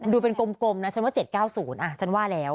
ดูเป็นกลมนะฉันว่า๗๙๐